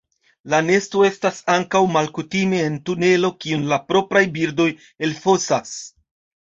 La nesto estas ankaŭ malkutime en tunelo kiun la propraj birdoj elfosas.